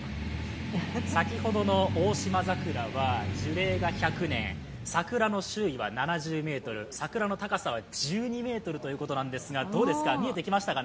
先ほどのオオシマザクラは樹齢が１００年桜の周囲は７０ｍ、桜の高さは１２ｍということなんですが、どうですか、見えてきましたかね？